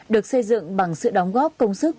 được xây dựng bằng sự đóng góp công sức